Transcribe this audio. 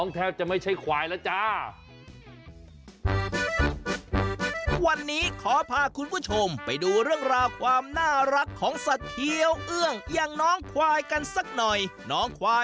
เปลี่ยนจากโค้งไปดูควายดีกว่า